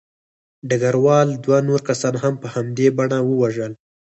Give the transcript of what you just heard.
ډګروال دوه نور کسان هم په همدې بڼه ووژل